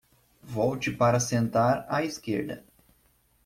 Volte para sentar à esquerda